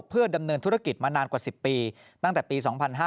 เพื่อดำเนินธุรกิจมานานกว่า๑๐ปีตั้งแต่ปี๒๕๕๙